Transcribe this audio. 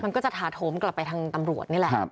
มันก็จะถาโถมกลับไปทางตำรวจนี่แหละ